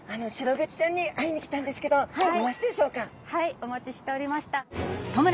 お待ちしておりました。